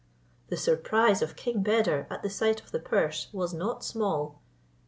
The surprise of King Beder, at the sight of the purse, was not small.